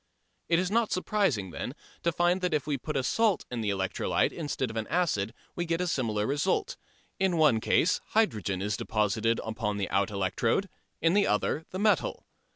It is not surprising, then, to find that if we put a salt in the electrolyte instead of an acid we get a similar result. In the one case hydrogen is deposited upon the out electrode, in the other the metal.